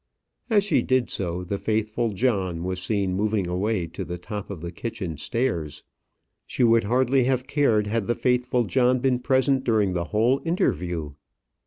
As she did so, the faithful John was seen moving away to the top of the kitchen stairs. She would hardly have cared had the faithful John been present during the whole interview.